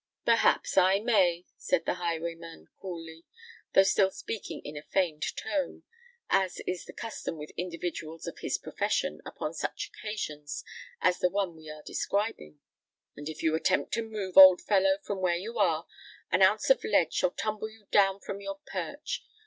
"Perhaps I may," said the highwayman, coolly, though still speaking in a feigned tone, as is the custom with individuals of his profession upon such occasions as the one we are describing: "and if you attempt to move, old fellow, from where you are, an ounce of lead shall tumble you down from your perch.